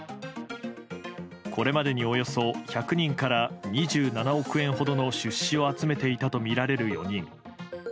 これまでにおよそ１００人から２７億円ほどの出資を集めていたとみられる４人。